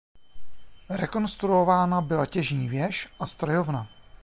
Rekonstruována byla těžní věž a strojovna.